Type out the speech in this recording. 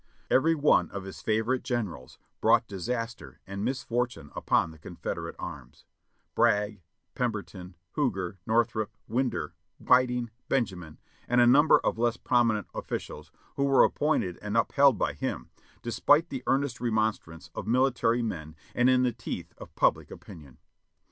Every one of his favorite generals brought disaster and mis fortune upon the Confederate arms — Bragg, Pemberton, Huger, Northrup, Winder, Whiting, Benjamin and a number of THE WPIY AND THE WHEREFORE 713 less prominent officials who were appointed and upheld by him, despite the earnest remonstrance of military men and in the teeth of public opinion.